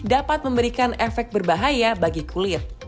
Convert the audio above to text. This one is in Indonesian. dapat memberikan efek berbahaya bagi kulit